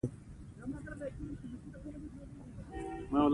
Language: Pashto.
مالیه د ټولنیزو پروژو بودیجه بشپړوي.